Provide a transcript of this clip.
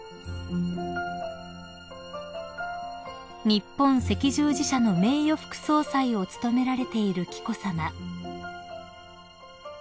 ［日本赤十字社の名誉副総裁を務められている紀子さま］